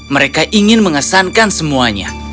mereka ingin mengesankan semuanya